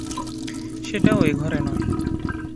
সেটাও এ ঘরে নয়।